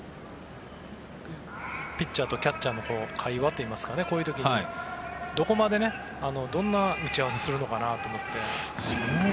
ピッチャーとキャッチャーの会話といいますかこういう時にどこまでどんな打ち合わせするのかなと思って。